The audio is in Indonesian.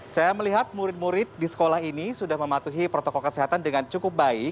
saya melihat murid murid di sekolah ini sudah mematuhi protokol kesehatan dengan cukup baik